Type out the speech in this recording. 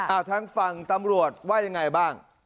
ทางฝั่งตำรวจว่ายังไงบ้าง